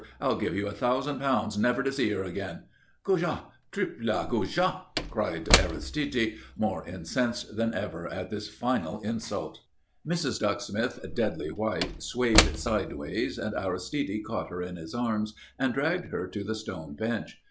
I'll give you a thousand pounds never to see her again." "Goujat! Triple goujat!" cried Aristide, more incensed than ever at this final insult. Mrs. Ducksmith, deadly white, swayed sideways, and Aristide caught her in his arms and dragged her to the stone bench.